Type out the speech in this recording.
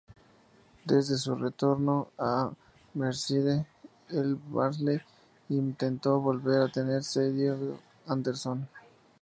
Desde su retorno a Merseyside, el Barnsley intentó volver a tener cedido a Anderson.